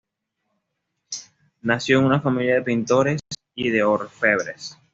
Nació en una familia de pintores y de orfebres.